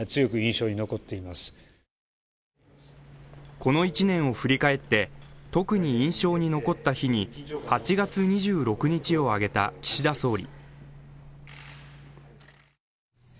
この一年を振り返って、特に印象に残った日に８月２６日を挙げた岸田総理。